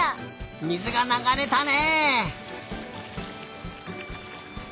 水がながれたね！